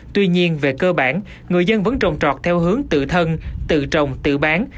tuy nhiên về cơ bản người dân vẫn trồng trọt theo hướng tự thân tự trồng tự bán